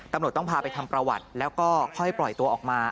ตำรวจต้องพาไปทำประวัติแล้วก็ค่อยปล่อยตัวออกมา